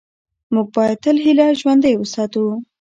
موږ باید تل هیله ژوندۍ وساتو